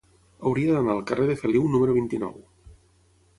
Hauria d'anar al carrer de Feliu número vint-i-nou.